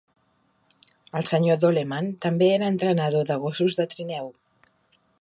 El senyor Dolleman també era entrenador de gossos de trineu.